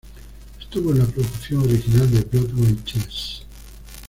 Estuvo en la producción original de Broadway Chess.